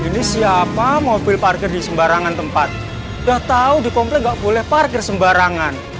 ini siapa mobil parkir di sembarangan tempat ya tahu dikompleks boleh parkir sembarangan